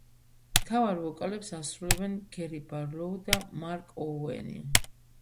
მთავარ ვოკალებს ასრულებენ გერი ბარლოუ და მარკ ოუენი.